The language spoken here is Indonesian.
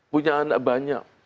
punya anak banyak